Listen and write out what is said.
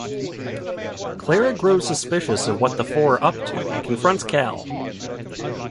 Clara grows suspicious of what the four are up to and confronts Cal.